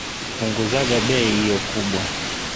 Punguzaga bei iyo kubwa.